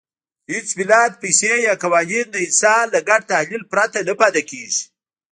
هېڅ ملت، پیسې یا قوانین د انسان له ګډ تخیل پرته نه پاتې کېږي.